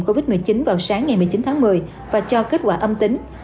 covid một mươi chín vào sáng ngày một mươi chín tháng một mươi và cho kết quả âm tính